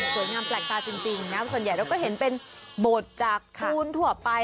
งามแปลกตาจริงนะส่วนใหญ่เราก็เห็นเป็นโบสถ์จากคูณทั่วไป